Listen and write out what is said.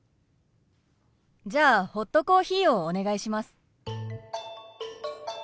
じゃあホットコーヒーをお願いします。